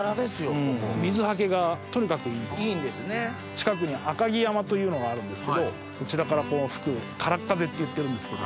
近くに赤城山というのがあるんですけどそちらから吹く「からっ風」って言ってるんですけど。